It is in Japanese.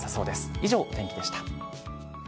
以上、お天気でした。